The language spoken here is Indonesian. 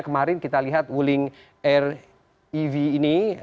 kemarin kita lihat wuling r ev ini